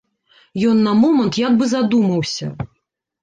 Ён на момант як бы задумаўся.